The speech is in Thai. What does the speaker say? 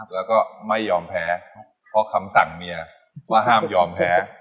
แล้วก็ไม่ยอมแพ้เพราะคำสั่งเมียว่าห้ามยอมแพ้